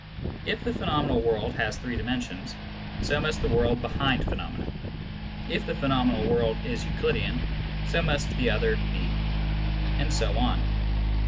If the phenomenal world has three dimensions, so must the world behind phenomena ; if the pheno menal world is Euclidean, so must the other be ; and so on.